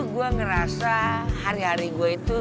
gue ngerasa hari hari gue itu